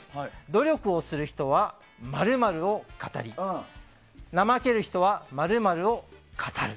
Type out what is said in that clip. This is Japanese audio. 努力する人は○○を語り怠ける人は○○を語る。